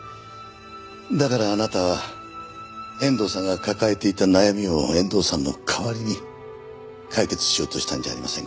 だからあなたは遠藤さんが抱えていた悩みを遠藤さんの代わりに解決しようとしたんじゃありませんか？